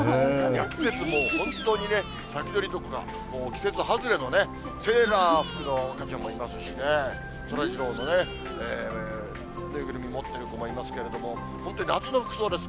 季節もう、本当にね、先取りどころか、季節外れのね、セーラー服の赤ちゃんもいますしね、そらジローのね、縫いぐるみ持っている子もいますけれども、本当に夏の服装です。